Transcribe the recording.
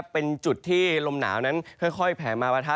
เป็นจุดที่ลมหนาวนั้นค่อยแผลมาปะทะ